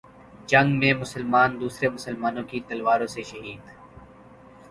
جنگ میں مسلمان دوسرے مسلمانوں کی تلواروں سے شہید